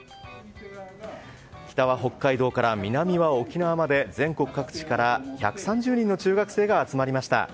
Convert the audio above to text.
北は北海道から南は沖縄まで全国各地から１３０人の中学生が集まりました。